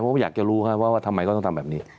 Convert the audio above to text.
เพราะอยากจะรู้ว่าทำไมก็ต้องทำแบบนี้